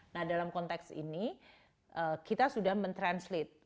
nah dalam konteks ini kita sudah men translate